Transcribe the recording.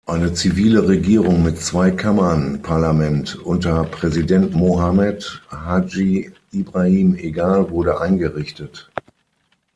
Eine zivile Regierung mit Zwei-Kammern-Parlament unter Präsident Mohammed Haji Ibrahim Egal wurde eingerichtet.